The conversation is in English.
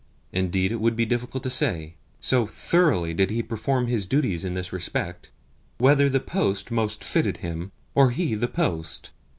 Indeed, it would be difficult to say so thoroughly did he perform his duties in this respect whether the post most fitted him, or he the post.